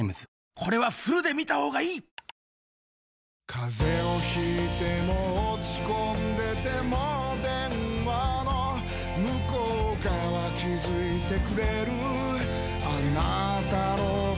風邪を引いても落ち込んでても電話の向こう側気付いてくれるあなたの声